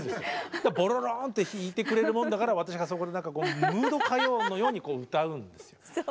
そしたらボロローンって弾いてくれるもんだから私がそこで何かムード歌謡のように歌うんですよ。